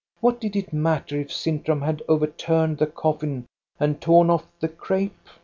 What did it matter if Sintram had overturned the coffin and torn off the crape?